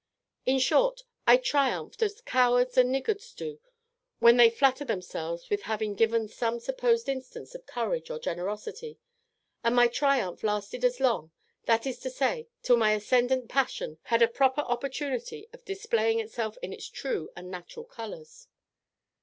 In short, I triumphed as cowards and niggards do when they flatter themselves with having given some supposed instance of courage or generosity; and my triumph lasted as long; that is to say, till my ascendant passion had a proper opportunity of displaying itself in its true and natural colours.